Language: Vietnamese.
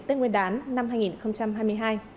tết nguyên đán năm hai nghìn hai mươi hai